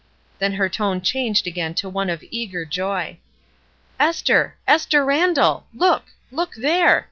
Then her tone changed again to one of eager joy. "Esther! Esther Randall, look! look there!